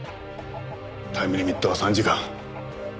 タイムリミットは３時間。